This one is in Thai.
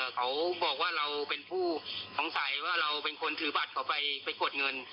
เขาบอกว่าเราเป็นผู้สงสัยว่าเราเป็นคนถือบัตรเขาไปกดเงิน